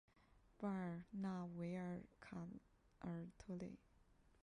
巴尔纳维尔卡尔特雷。